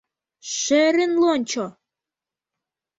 Шерын лончо!